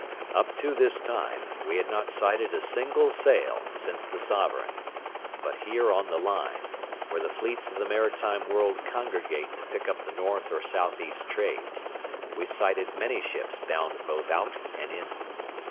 Up to this time, we had not sighted a single sail since the Sovereign; but here on the line, where the fleets of the maritime world congregate to pick up the north or southeast trades, we sighted many ships bound both out and in.